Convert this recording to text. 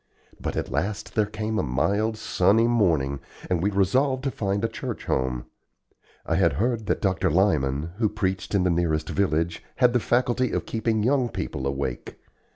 But at last there came a mild, sunny morning, and we resolved to find a church home. I had heard that Dr. Lyman, who preached in the nearest village had the faculty of keeping young people awake.